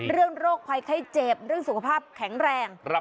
โรคภัยไข้เจ็บเรื่องสุขภาพแข็งแรง